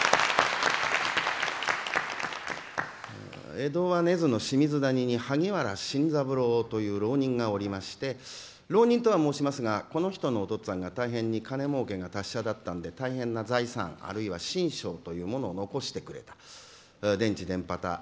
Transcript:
江戸は根津の清水谷に萩原新三郎という浪人がおりまして浪人とは申しますがこの人のおとっつぁんが大変に金もうけが達者だったので大変な財産というものを残してくれた。